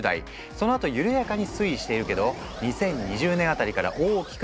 そのあと緩やかに推移しているけど２０２０年あたりから大きく上昇している。